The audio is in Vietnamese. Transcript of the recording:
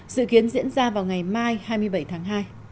dự kiến diễn ra vào ngày mai hai mươi bảy tháng hai